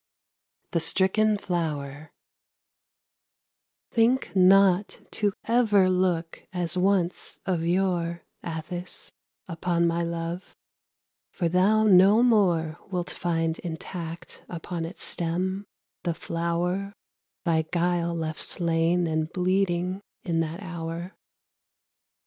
THE STRICKEN FLOWER Think not to ever look as once of yore, Atthis, upon my love; for thou no more Wilt find intact upon its stem the flower Thy guile left slain and bleeding in that hour.